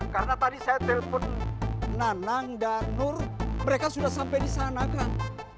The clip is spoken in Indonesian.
karena tadi saya telpon nanang dan nur mereka sudah sampai di sana kan